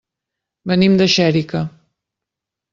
Venim de Xèrica.